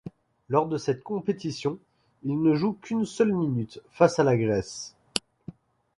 Lors de cette compétition, il ne joue qu'une seule minute, face à la Grèce.